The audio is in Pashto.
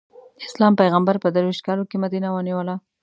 د اسلام پېغمبر په درویشت کالو کې مدینه ونیو.